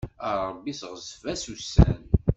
A Ṛebbi seɣzef-as ussan.